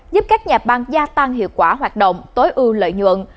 giúp các nhà băng gia tăng hiệu quả hoạt động tối ưu lợi nhuận